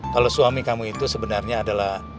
kalau suami kamu itu sebenarnya adalah